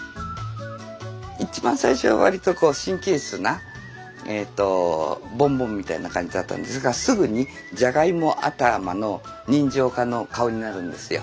一番最初は割と神経質なボンボンみたいな感じだったんですがすぐにじゃがいも頭の人情家の顔になるんですよ。